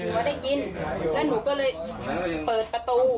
ว่าได้ยินแล้วหนูก็เลยเปิดประตู